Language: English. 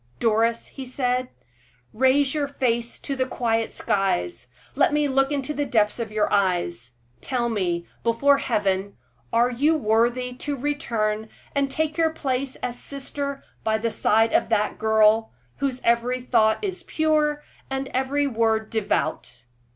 "Doris," he said, "raise your face to the quiet skies; let me look into the depths of your eyes. Tell me, before Heaven, are you worthy to return and take your place as sister by the side of that girl, whose every thought is pure, and every word devout?"